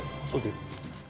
そうです。